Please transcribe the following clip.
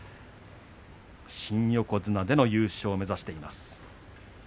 新横綱での優勝を目指しています。